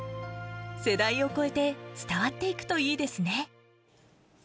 世代を越えて、伝わっていくといいですね。